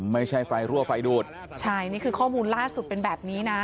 ไม่ใช่ไฟรั่วไฟดูดใช่นี่คือข้อมูลล่าสุดเป็นแบบนี้นะ